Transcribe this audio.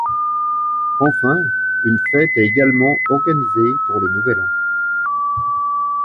Enfin, une fête est également organisée pour le nouvel an.